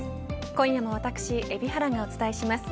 今夜も私、海老原がお伝えします。